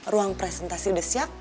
ruang presentasi udah siap